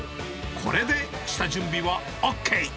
これで下準備はＯＫ。